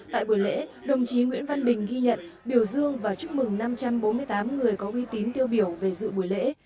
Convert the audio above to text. tại buổi lễ đồng chí nguyễn văn bình ghi nhận biểu dương và chúc mừng năm trăm bốn mươi tám người có uy tín tiêu biểu về dự buổi lễ